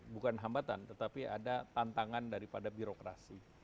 bukan hambatan tetapi ada tantangan daripada birokrasi